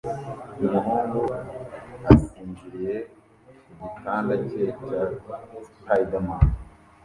Umuhungu asinziriye ku gitanda cye cya Spiderman